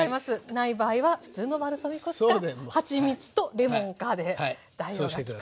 ない場合は普通のバルサミコ酢かはちみつとレモンかで代用が利くと。